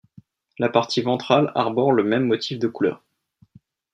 La partie ventrale arbore le même motif de couleurs.